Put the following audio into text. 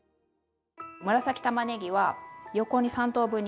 紫たまねぎは横に３等分に切っています。